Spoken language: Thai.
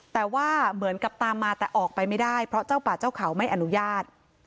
แต่ว่าเหมือนกับตามมาแต่ออกไปไม่ได้เพราะเจ้าป่าเจ้าเขาไม่อนุญาต